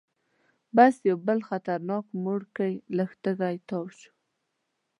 بس یو بل خطرناک موړ کې لږ تیز تاو شو.